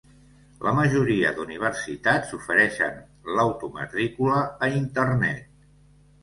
La majoria d'universitats ofereixen l'automatrícula a Internet.